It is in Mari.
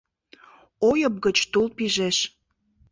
«Ойып гыч тул пижеш».